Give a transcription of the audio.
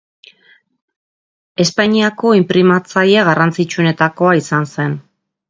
Espainiako inprimatzaile garrantzitsuenetakoa izan zen.